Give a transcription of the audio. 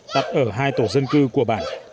tập ở hai tổ dân cư của bản